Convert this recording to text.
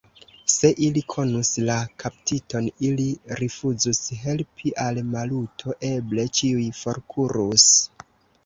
Se ili konus la kaptiton, ili rifuzus helpi al Maluto, eble ĉiuj forkurus.